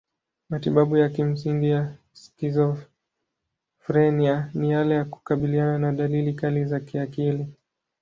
Matibabu ya kimsingi ya skizofrenia ni yale ya kukabiliana na dalili kali za kiakili.